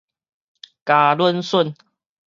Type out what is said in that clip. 交冷恂